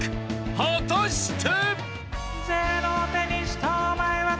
［果たして！？］